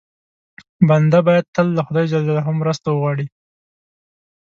بنده باید تل له خدای ج مرسته وغواړي.